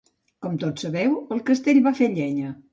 Com tots sabeu, el castell va fer llenya.